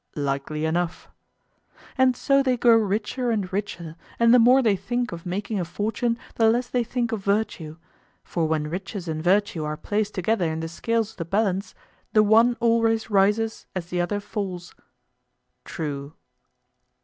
Likely enough. And so they grow richer and richer, and the more they think of making a fortune the less they think of virtue; for when riches and virtue are placed together in the scales of the balance, the one always rises as the other falls. True.